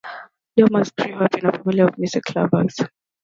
Daumas grew up in a family of music lovers.